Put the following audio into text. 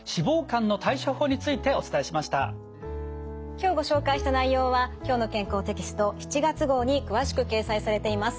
今日ご紹介した内容は「きょうの健康」テキスト７月号に詳しく掲載されています。